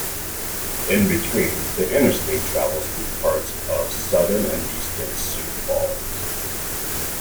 In between, the interstate travels through parts of southern and eastern Sioux Falls.